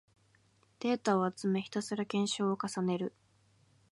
データを集め、ひたすら検証を重ねる